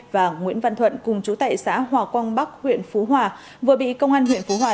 và nguyễn văn thuận cùng chú tại xã hòa quang bắc huyện phú hòa vừa bị công an huyện phú hòa